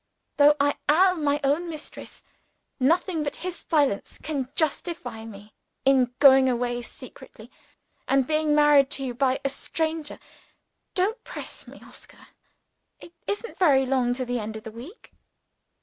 Though I am my own mistress, nothing but his silence can justify me in going away secretly, and being married to you by a stranger. Don't press me, Oscar! It isn't very long to the end of the week."